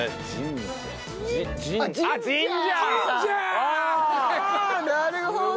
あっなるほど！